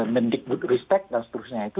mendik respect dan seterusnya itu